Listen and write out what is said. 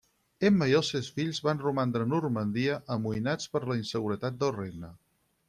Emma i els seus fills van romandre a Normandia, amoïnats per la inseguretat del regne.